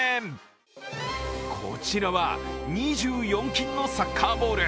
こちらは、２４金のサッカーボール。